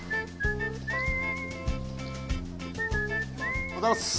おはようございます！